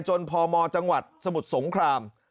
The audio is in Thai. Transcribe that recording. พมจังหวัดสมุทรสงคราม